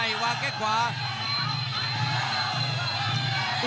คมทุกลูกจริงครับโอ้โห